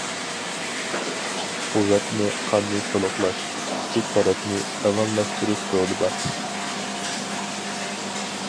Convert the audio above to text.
قۇۋۋەتنى، قاننى تولۇقلاش، كىچىك تەرەتنى راۋانلاشتۇرۇش رولى بار.